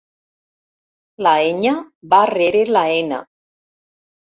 La enya va rere la ena.